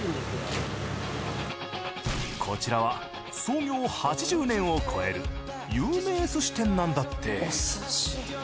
こちらは創業８０年を超える有名寿司店なんだって。